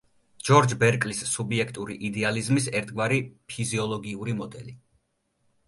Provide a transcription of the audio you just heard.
ჯორჯ ბერკლის სუბიექტური იდეალიზმის ერთგვარი „ფიზიოლოგიური მოდელი“.